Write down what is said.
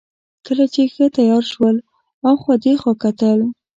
کله چې ښه تېاره شول، اخوا دېخوا کتل.